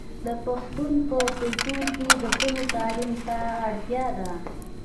د پښتنو په کلتور کې د ښځو تعلیم ته اړتیا ده.